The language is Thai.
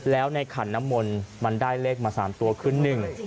แล้วในขันน้ำมนต์มันได้เลขมา๓ตัวคือหนึ่ง